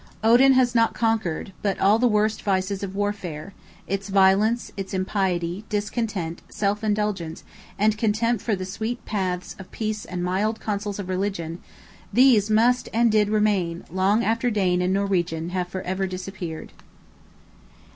Odin has not conquered, but all the worst vices of warfare—its violence, its impiety, discontent, self indulgence, and contempt for the sweet paths of peace and mild counsels of religion—these must and did remain, long after Dane and Norwegian have for ever disappeared!